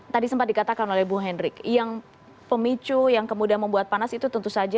tadi sempat dikatakan oleh bu hendrik yang pemicu yang kemudian membuat panas itu tentu saja